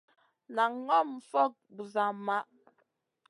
Nan ŋòm fokŋ busa maʼh.